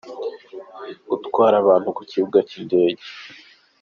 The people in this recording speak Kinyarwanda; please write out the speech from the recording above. Gutwara abantu ku kibuga cy’indege.